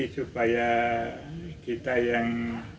supaya kita yang